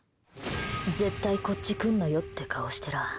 絶対こっち来んなよって顔してら。